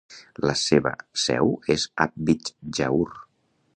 La seva seu és Arvidsjaur.